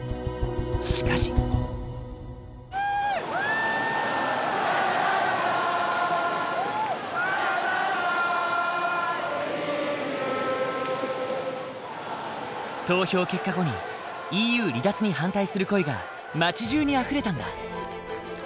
しかし。投票結果後にＥＵ離脱に反対する声が街じゅうにあふれたんだ。